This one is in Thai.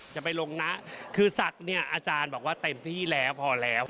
จะไปลงนะคือสัตว์เนี่ยอาจารย์บอกว่าเต็มที่แล้วพอแล้ว